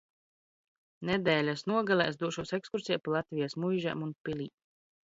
Nedēļas nogalē es došos ekskursijā pa Latvijas muižām un pilīm.